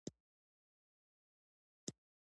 مچمچۍ د نورو حشراتو په پرتله ګټوره ده